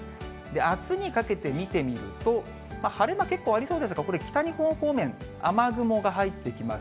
あすにかけて見てみると、晴れ間、結構ありそうですが、これ、北日本方面、雨雲が入ってきます。